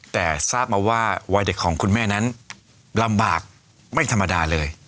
แต่ทราบมาว่าวัยเด็กของคุณแม่นั้นลำบากไม่ธรรมดาเลย